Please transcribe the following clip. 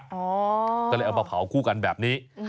บ่อยมากก็เลยเอามาเผาคู่กันแบบนี้